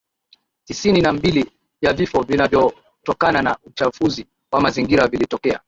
tisini na mbili ya vifo vinavyotokana na uchafuzi wa mazingira vilitokea